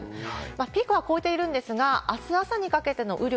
ピークは越えているんですが、あす朝にかけての雨量。